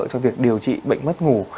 cho việc điều trị bệnh mất ngủ